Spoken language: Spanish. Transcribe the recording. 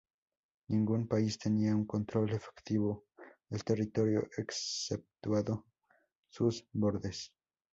Ningún país tenía un control efectivo el territorio exceptuando sus bordes.